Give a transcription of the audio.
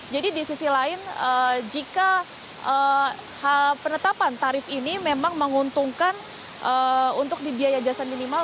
jadi di sisi lain jika penetapan tarif ini memang menguntungkan untuk di biaya jasa minimal